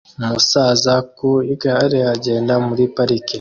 Umusaza ku igare agenda muri parike